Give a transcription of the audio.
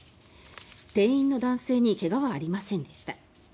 店員の男性に怪我はありませんでした。